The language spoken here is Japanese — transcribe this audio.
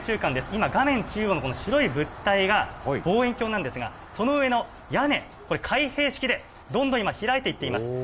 今、画面中央の、この白い物体が望遠鏡なんですが、その上の屋根、これ、開閉式で、どんどん開いていっています。